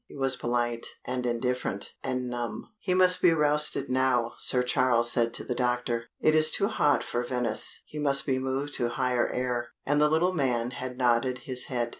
He was polite, and indifferent, and numb. "He must be roused now," Sir Charles said to the doctor. "It is too hot for Venice, he must be moved to higher air," and the little man had nodded his head.